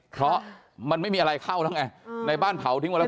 เพราะมันไม่มีอะไรเข้าแล้วไงในบ้านเผาทิ้งไว้แล้ว